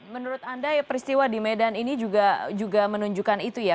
menurut anda ya peristiwa di medan ini juga menunjukkan itu ya